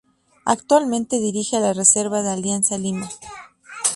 Actualmente dirige a la reserva de Alianza Lima.